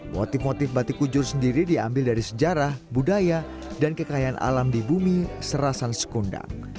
motif motif batik kujur sendiri diambil dari sejarah budaya dan kekayaan alam di bumi serasan sekundang